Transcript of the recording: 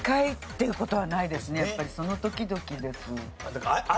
やっぱりその時々です。